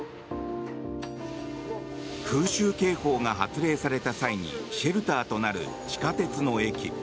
空襲警報が発令された際にシェルターとなる地下鉄の駅。